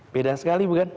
beda sekali bukan